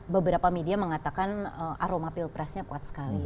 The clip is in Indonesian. beberapa media mengatakan aroma pilpresnya kuat sekali